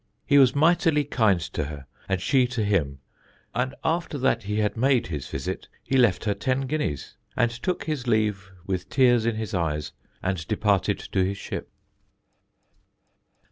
He was mightily kind to her, and she to him, and after that he had made his visit, he left her ten guineas, and took his leave with tears in his eyes and departed to his ship."